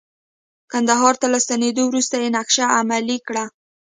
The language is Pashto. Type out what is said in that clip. کندهار ته له ستنیدو وروسته یې نقشه عملي کړه.